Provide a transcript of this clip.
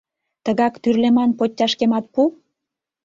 Тыгак тӱрлеман подтяжкемат пу.